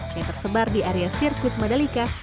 yang tersebar di area sirkuit madalika